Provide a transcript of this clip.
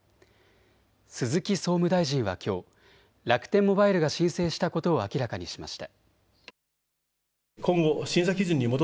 鈴木総務大臣はきょう楽天モバイルが申請したことを明らかにしました。